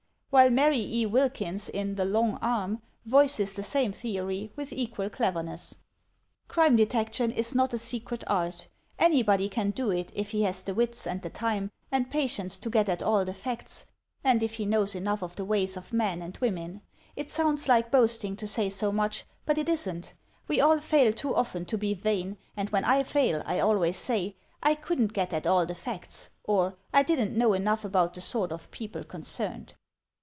While Mary E. Wilkins in The Long Arm" voices the same theory with equal cleverness: "Crime detection is not a secret art; anybody can do it if he has the wits, and the time, and patience to get at all the facts, and if he knows enough of the ways of men and women. It soimds like boasting to say so much, but it isn't; we all fail too often to be vain, and when I fail, I always say, 'I couldn't get at all the facts,' or, 'I didn't know enough about the sort of people concerned.'